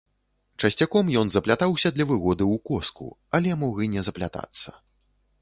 Часцяком ён заплятаўся для выгоды ў коску, але мог і не заплятацца.